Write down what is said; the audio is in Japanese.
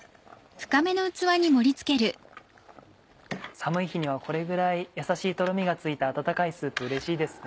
寒い日にはこれぐらいやさしいトロミがついた温かいスープうれしいですね。